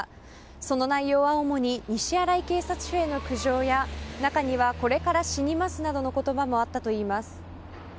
その内容は主に西新井警察署への苦情や中には、これから死にますなどの言葉もあったといいます。